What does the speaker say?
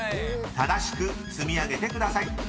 ［正しく積み上げてください。